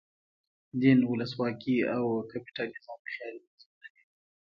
دین، ولسواکي او کپیټالیزم خیالي نظمونه دي.